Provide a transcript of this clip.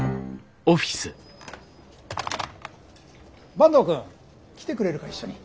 坂東くん来てくれるか一緒に。